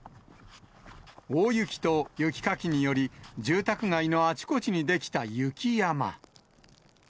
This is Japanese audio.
大雪と雪かきにより、住宅街のあちこちに出来た雪山。